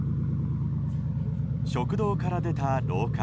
食堂から出た廊下。